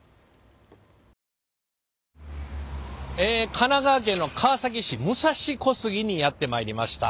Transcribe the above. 神奈川県の川崎市武蔵小杉にやってまいりました。